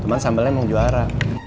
cuman sambalnya emang juara